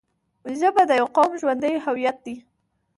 ژبه د یوه قوم ژوندی هویت دی